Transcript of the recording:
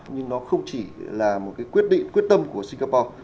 nhưng nó không chỉ là một cái quyết định quyết tâm của singapore